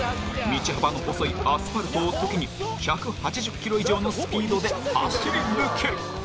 道幅の細いアスファルトを時に１８０ｋｍ以上のスピードで走り抜ける。